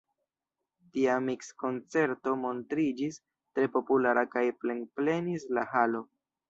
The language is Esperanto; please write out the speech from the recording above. Tia miks-koncerto montriĝis tre populara kaj plenplenis la halo.